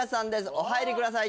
お入りください